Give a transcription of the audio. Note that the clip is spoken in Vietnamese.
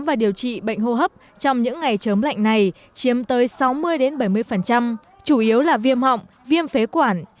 và điều trị bệnh hô hấp trong những ngày chớm lạnh này chiếm tới sáu mươi bảy mươi chủ yếu là viêm họng viêm phế quản